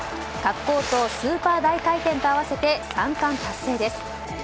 滑降とスーパー大回転と合わせて３冠達成です。